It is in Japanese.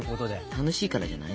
楽しいからじゃない？